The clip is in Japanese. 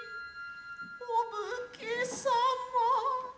御武家様。